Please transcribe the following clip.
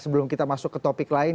sebelum kita masuk ke topik lain